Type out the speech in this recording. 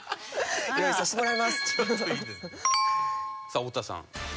さあ太田さん。